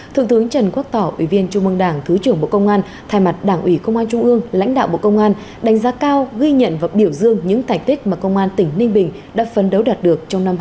thượng tướng trần quốc tỏ ủy viên trung mương đảng thứ trưởng bộ công an thay mặt đảng ủy công an trung ương lãnh đạo bộ công an đánh giá cao ghi nhận và biểu dương những thành tích mà công an tỉnh ninh bình đã phấn đấu đạt được trong năm hai nghìn hai mươi ba